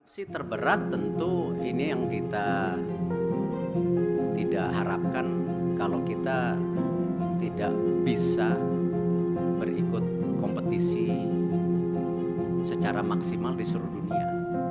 si terberat tentu ini yang kita tidak harapkan kalau kita tidak bisa berikut kompetisi secara maksimal di seluruh dunia